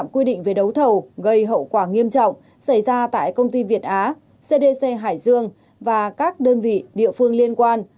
quy định về đấu thầu gây hậu quả nghiêm trọng xảy ra tại công ty việt á cdc hải dương và các đơn vị địa phương liên quan